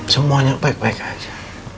semuanya baik baik aja